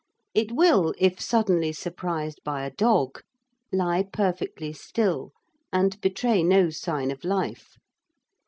It will, if suddenly surprised by a dog, lie perfectly still and betray no sign of life.